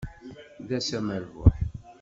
D ass amerbuḥ.